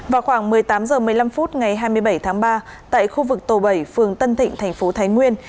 vào khoảng một mươi tám giờ một mươi năm phút ngày hai mươi bảy tháng ba tại khu vực tổ bảy phường tân thịnh tp thái nguyên